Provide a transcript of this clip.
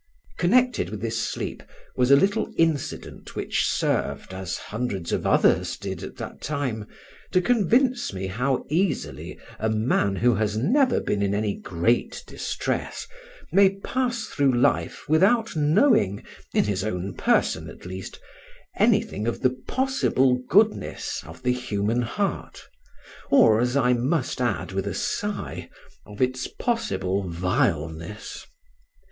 Connected with this sleep was a little incident which served, as hundreds of others did at that time, to convince me how easily a man who has never been in any great distress may pass through life without knowing, in his own person at least, anything of the possible goodness of the human heart—or, as I must add with a sigh, of its possible vileness.